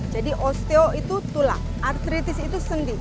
jadi osteo itu tulang artritis itu sendi